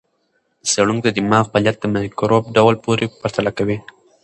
څېړونکي د دماغ فعالیت د مایکروب ډول پورې پرتله کوي.